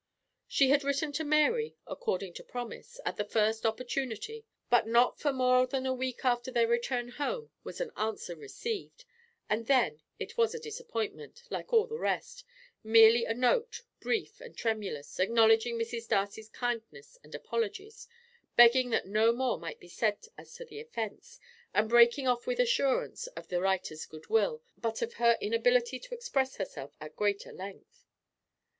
She had written to Mary, according to promise, at the first opportunity, but not for more than a week after their return home was an answer received, and then it was a disappointment, like all the rest; merely a note, brief and tremulous, acknowledging Mrs. Darcy's kindness and apologies, begging that no more might be said as to the offence, and breaking off with assurance of the writer's good will, but of her inability to express herself at greater length.